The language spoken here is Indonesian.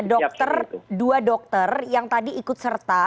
dokter dua dokter yang tadi ikut serta